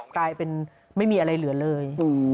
กลายเป็นไม่มีอะไรเหลือเลย